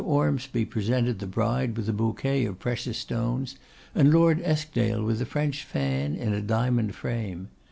Ormsby presented the bride with a bouquet of precious stones, and Lord Eskdale with a French fan in a diamond frame.